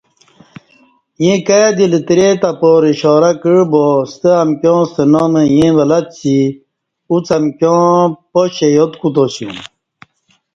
ییں کائ دی لترے تہ پارہ اشارہ کعبا ستہ امکیاں ستہ نام ایں ولہ څی اُݩڅ امکیاں پاشہ یاد کوتاسیوم